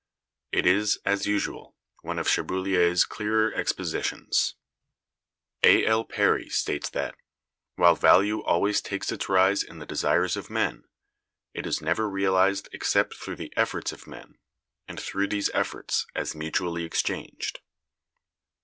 It is, as usual, one of Cherbuliez's clear expositions. A. L. Perry(205) states that, "while value always takes its rise in the desires of men, it is never realized except through the efforts of men, and through these efforts as mutually exchanged."